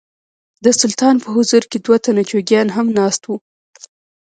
د سلطان په حضور کې دوه تنه جوګیان هم ناست وو.